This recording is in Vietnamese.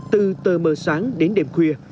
từ tờ mơ sáng đến đêm khuya